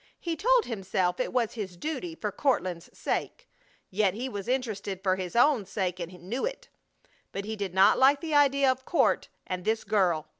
He told himself it was his duty for Courtland's sake. Yet he was interested for his own sake and knew it. But he did not like the idea of Court and this girl!